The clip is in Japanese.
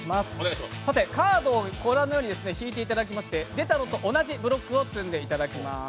カードをご覧のように引いていただきまして出たのと同じブロックを積んでいただきます。